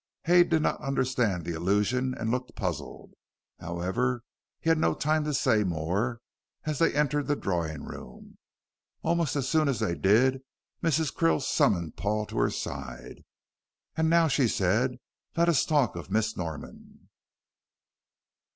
Hay did not understand the allusion and looked puzzled. However, he had no time to say more, as they entered the drawing room. Almost as soon as they did, Mrs. Krill summoned Paul to her side. "And now," she said, "let us talk of Miss Norman."